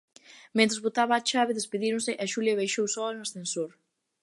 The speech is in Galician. Mentres botaba a chave despedíronse e Xulia baixou soa no ascensor.